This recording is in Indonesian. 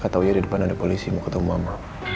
kata uya di depan ada polisi mau ketemu mama